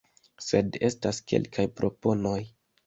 Sed estas kelkaj proponoj;